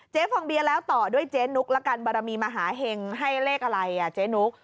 ฟองเบียร์แล้วต่อด้วยเจ๊นุกละกันบารมีมหาเห็งให้เลขอะไรอ่ะเจ๊นุ๊ก